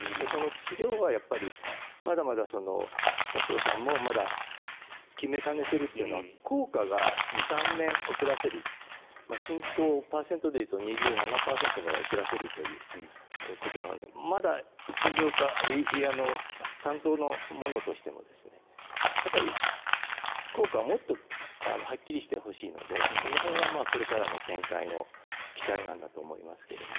治療はまだまだ、さとうさんもまだ決めかねてるというのは効果が２３年遅らせる進行をパーセントでいうと２７％ぐらい遅らせるということなのでまだ診療科、担当の者としても効果がもっとはっきりしてほしいのでその辺はこれからの展開の期待なんだと思いますけども。